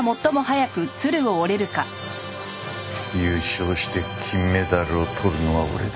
優勝して金メダルを取るのは俺だ。